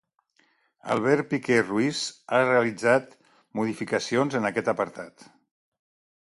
Albert Piquer Ruiz ha realitzat modificacions en aquest apartat.